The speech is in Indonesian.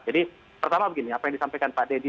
jadi pertama begini apa yang disampaikan pak deddy